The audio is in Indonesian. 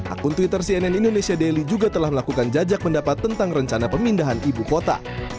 akun twitter cnn indonesia daily juga telah melakukan jajak pendapat tentang rencana pemindahan ibu kota